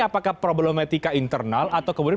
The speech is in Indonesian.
apakah problematika internal atau kemudian